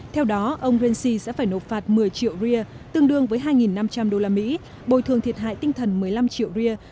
theo đó ông rensi sẽ phải nộp phạt một mươi triệu ria tương đương với hai năm trăm linh đô la mỹ bồi thường thiệt hại tinh thần một mươi năm triệu ria